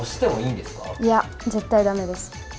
いや、絶対だめです。